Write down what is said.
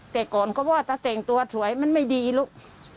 แต่ก่อนก็ว่าถ้าแต่งตัวสวยมันไม่ดีลูก